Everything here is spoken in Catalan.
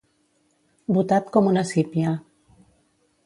Botat com una sípia.